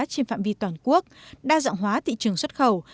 trên phạm vi toàn quốc đa dạng hóa thị trường xuất khẩu